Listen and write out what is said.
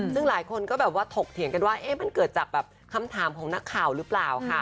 ซึ่งหลายคนก็แบบว่าถกเถียงกันว่ามันเกิดจากแบบคำถามของนักข่าวหรือเปล่าค่ะ